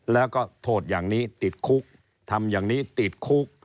แล้วก็โทษอย่างนี้ติดคุกทำอย่างนี้ติดคุก